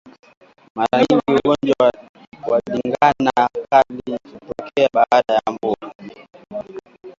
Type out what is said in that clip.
Mara nyingi ugonjwa wa ndigana kali hutokea baada ya mvua